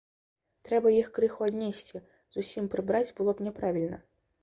Трэба іх крыху аднесці, зусім прыбраць было б няправільна.